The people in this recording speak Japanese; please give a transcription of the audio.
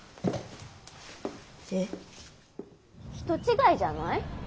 人違いじゃない？